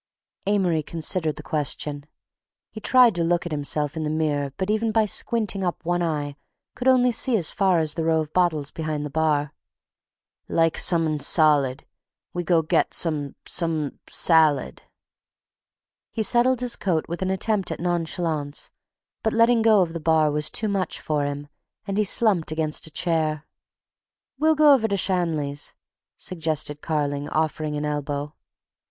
Amory considered the question. He tried to look at himself in the mirror but even by squinting up one eye could only see as far as the row of bottles behind the bar. "Like som'n solid. We go get some—some salad." He settled his coat with an attempt at nonchalance, but letting go of the bar was too much for him, and he slumped against a chair. "We'll go over to Shanley's," suggested Carling, offering an elbow.